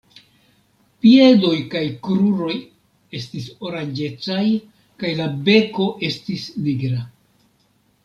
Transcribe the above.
Piedoj kaj kruroj estis oranĝecaj kaj la beko estis nigra.